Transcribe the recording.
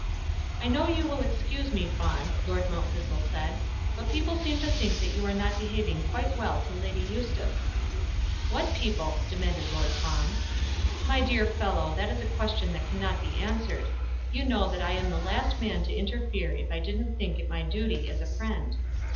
"I know you will excuse me, Fawn," Lord Mount Thistle said, "but people seem to think that you are not behaving quite well to Lady Eustace." "What people?" demanded Lord Fawn. "My dear fellow, that is a question that cannot be answered. You know that I am the last man to interfere if I didn't think it my duty as a friend.